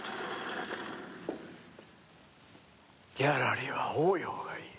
ギャラリーは多いほうがいい。